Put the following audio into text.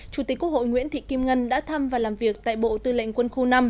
chủ tịch quốc hội nguyễn thị kim ngân đã thăm và làm việc tại bộ tư lệnh quân khu năm